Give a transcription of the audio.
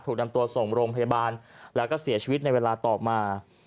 นำตัวส่งโรงพยาบาลแล้วก็เสียชีวิตในเวลาต่อมา